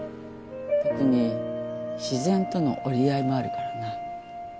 特に自然との折り合いもあるからな。